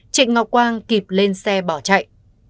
trịnh ngọc quang kịp lên xe bỏ chạy